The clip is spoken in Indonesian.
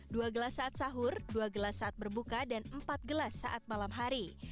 dua gelas saat sahur dua gelas saat berbuka dan empat gelas saat malam hari